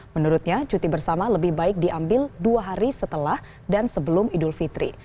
menurutnya cuti bersama lebih baik diambil dua hari setelah dan sebelum idul fitri